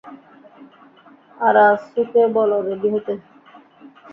আরাসুকে বল রেডি হতে।